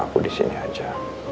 aku disini aja